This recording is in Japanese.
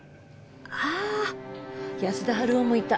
あっ安田晴男もいた。